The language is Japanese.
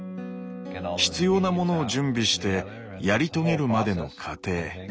必要なモノを準備してやり遂げるまでの過程。